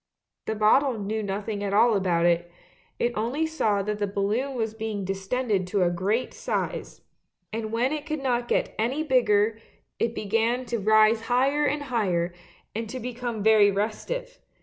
The bottle knew nothing at all about it; it only saw that the balloon was being distended to a great size, and when it could not get any bigger it began to rise higher and higher, and to become very restive.